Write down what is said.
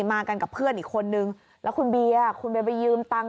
มากันกับเพื่อนอีกคนนึงแล้วคุณเบียร์คุณเบียไปยืมตัง